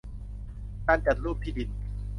การจัดรูปที่ดิน